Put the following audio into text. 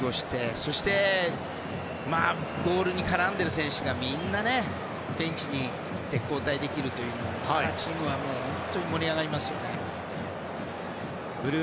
そしてゴールに絡んでいる選手がみんな交代できるというのはチームは本当に盛り上がりますよね。